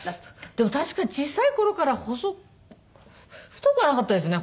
でも確か小さい頃から細太くはなかったですね。